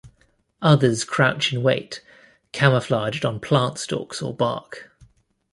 Others crouch in wait, camouflaged on plant stalks or bark.